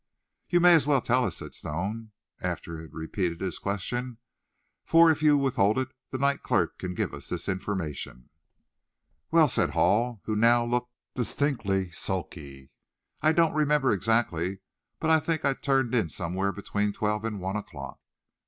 "You may as well tell us," said Stone, after he had repeated his question, "for if you withhold it, the night clerk can give us this information." "Well," said Hall, who now looked distinctly sulky, "I don't remember exactly, but I think I turned in somewhere between twelve and one o'clock."